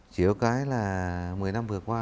chỉ có cái là mười năm vừa qua